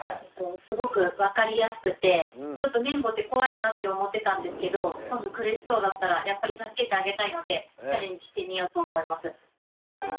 すごく分かりやすくてちょっと綿棒って怖いなって思ってたんですけど今度苦しそうだったらやっぱり助けてあげたいのでチャレンジしてみようと思います。